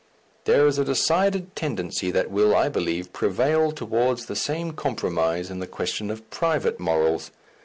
There is a decided tendency that will, I believe, prevail towards the same compromise in the question of private morals.